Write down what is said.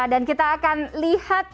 dan kita akan lihat